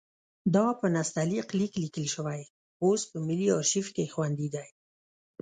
دا په نستعلیق لیک لیکل شوی اوس په ملي ارشیف کې خوندي دی.